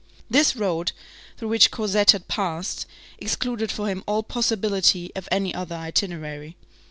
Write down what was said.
This road, through which Cosette had passed, excluded for him all possibility of any other itinerary.